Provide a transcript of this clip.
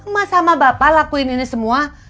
mas sama bapak lakuin ini semua